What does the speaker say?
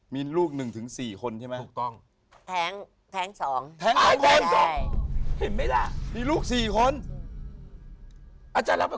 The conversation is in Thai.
มีลูก๑ถึง๔คนใช่ไหม